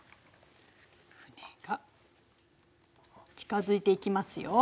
船が近づいていきますよ。